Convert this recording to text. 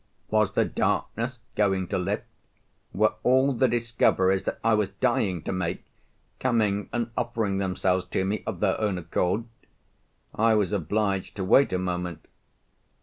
Was the darkness going to lift? Were all the discoveries that I was dying to make, coming and offering themselves to me of their own accord? I was obliged to wait a moment.